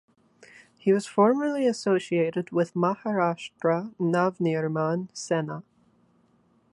He was formerly associated with Maharashtra Navnirman Sena.